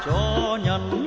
cho nhân lời mừng